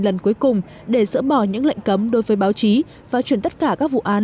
lần cuối cùng để dỡ bỏ những lệnh cấm đối với báo chí và chuyển tất cả các vụ án